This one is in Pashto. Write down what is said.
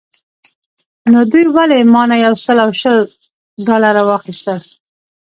نو دوی ولې مانه یو سل او شل ډالره واخیستل.